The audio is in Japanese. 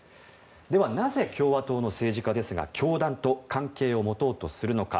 では、なぜ共和党の政治家は教団と関係を持とうとするのか。